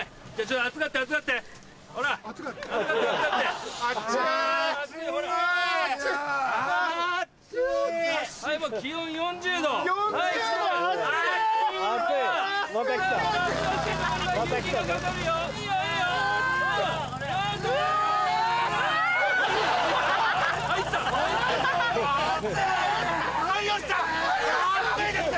暑いですよ！